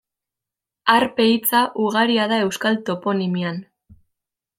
Harpe hitza ugaria da euskal toponimian.